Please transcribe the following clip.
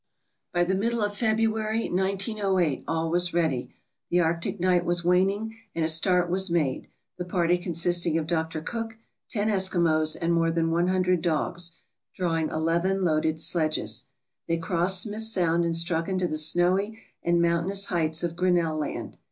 By the middle of February, 1908, all was ready, the arctic night was waning, and a start was made, the party consisting of Dr. Cook, ten Eskimos, and more than 100 dogs, drawing eleven loaded sledges. They crossed Smith Sound and struck into the snowy and mountainous heights of Grinnell Land.